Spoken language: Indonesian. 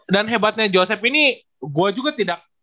dan hebatnya joseph ini gue juga tidak